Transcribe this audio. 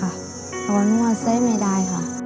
เพราะว่ามั่วใส่ไม่ได้ค่ะ